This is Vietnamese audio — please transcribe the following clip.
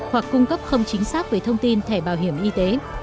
hoặc cung cấp không chính xác về thông tin thẻ bảo hiểm y tế